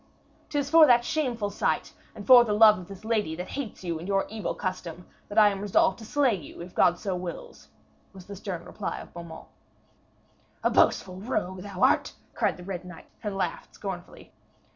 ''Tis for that shameful sight and for the love of this lady that hates you and your evil custom, that I am resolved to slay you, if God so wills,' was the stern reply of Beaumains. 'A boastful rogue thou art,' cried the Red Knight, and laughed scornfully.